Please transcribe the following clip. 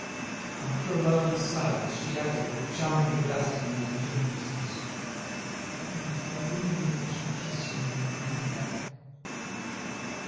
After a moment's silence she added, with charming vivacity and ingenuousness: "Ah, how willingly I shall kiss you when you come back!"